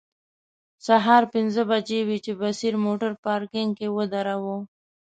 سهار پنځه بجې وې چې بصیر موټر پارکینګ کې و دراوه.